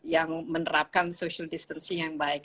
yang menerapkan social distancing yang baik